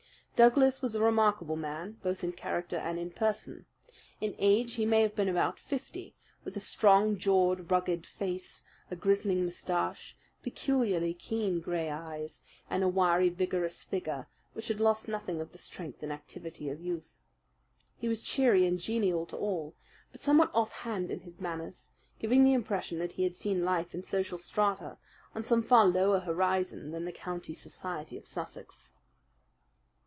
Douglas was a remarkable man, both in character and in person. In age he may have been about fifty, with a strong jawed, rugged face, a grizzling moustache, peculiarly keen gray eyes, and a wiry, vigorous figure which had lost nothing of the strength and activity of youth. He was cheery and genial to all, but somewhat offhand in his manners, giving the impression that he had seen life in social strata on some far lower horizon than the county society of Sussex.